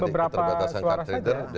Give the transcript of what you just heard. beberapa suara saja